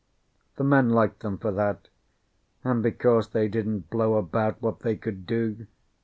The men liked them for that, and because they didn't blow about what they could do.